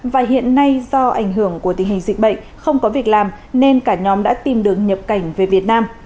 và hiện nay do ảnh hưởng của tình hình dịch bệnh không có việc làm nên cả nhóm đã tìm đường nhập cảnh về việt nam